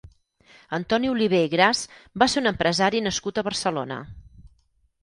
Antoni Oliver i Gras va ser un empresari nascut a Barcelona.